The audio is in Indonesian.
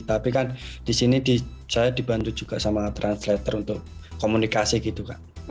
tapi kan di sini saya dibantu juga sama translator untuk komunikasi gitu kak